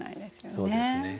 そうですね。